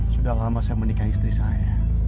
sudah lama saya menikah istri saya